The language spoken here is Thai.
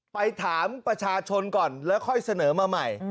ไปถามประชาชนก่อนแล้วค่อยเสนอมาใหม่